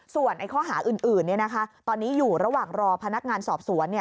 ส่วนข้อหาอื่นตอนนี้อยู่ระหว่างรอพนักงานสอบสวน